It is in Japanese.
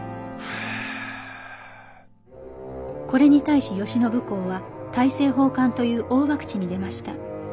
これに対し慶喜公は大政奉還という大博打に出ました。